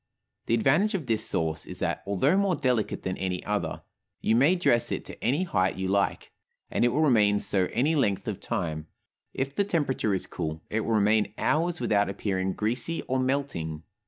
The advantage of this sauce is that (although more delicate than any other) you may dress it to any height you like, and it will remain so any length of time; if the temperature is cool, it will remain hours without appearing greasy or melting.